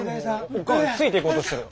おかんついていこうとしてる。